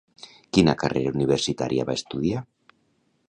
Quina carrera universitària va estudiar?